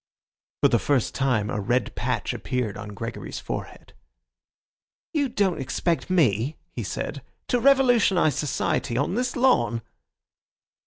For the first time a red patch appeared on Gregory's forehead. "You don't expect me," he said, "to revolutionise society on this lawn?"